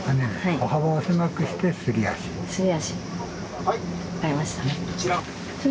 歩幅を狭くしてすり足に。